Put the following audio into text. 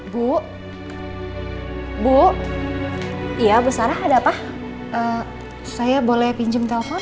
bu bu iya besar ada apa saya boleh pinjem telepon boleh bu